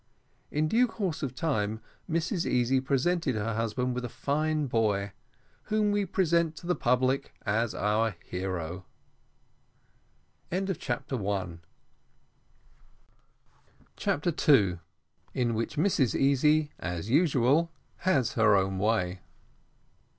In due course of time, Mrs Easy presented her husband with a fine boy, whom we present to the public as our hero. CHAPTER TWO. IN WHICH MRS. EASY, AS USUAL, HAS HER OWN WAY.